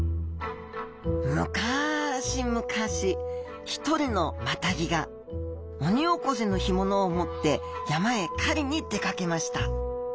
むかし昔一人のマタギがオニオコゼの干物を持って山へ狩りに出かけました。